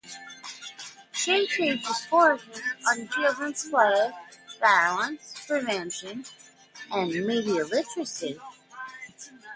She teaches courses on children's play, violence prevention and media literacy.